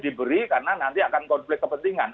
diberi karena nanti akan konflik kepentingan